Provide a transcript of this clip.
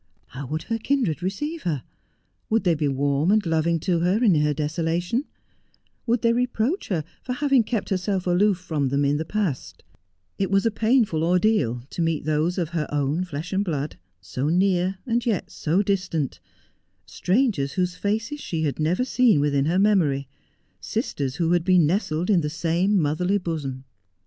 How would her kindred receive her ? Would they be warm and loving to her in her desolation 1 Would they reproach her for having kept herself aloof from them in the past 1 It was a painful ordeal, to meet those of her own flesh and blood, so near, and yet so distant — strangers whose faces she had never seen within her memory — sisters who had been nestled in the same motherly bosom.